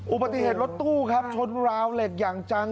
อุบัติเหตุรถตู้ครับชนราวเหล็กอย่างจัง